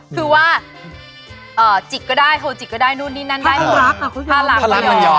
คือว่าจิกก็ได้โทจิกก็ได้นู่นนี่นั่นได้